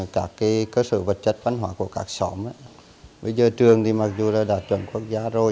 các cơ sở vật chất văn hóa của các xóm bây giờ trường thì mặc dù là đã chuẩn quốc gia rồi